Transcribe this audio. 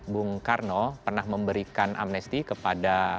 bung karno pernah memberikan amnesti kepada